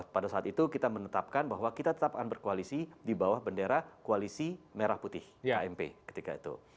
pada saat itu kita menetapkan bahwa kita tetap akan berkoalisi di bawah bendera koalisi merah putih kmp ketika itu